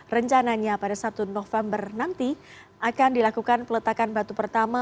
rencananya pada satu november nanti akan dilakukan peletakan batu pertama